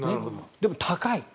でも高い。